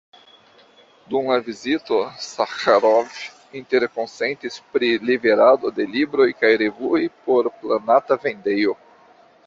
Dum la vizito Saĥarov interkonsentis pri liverado de libroj kaj revuoj por planata vendejo.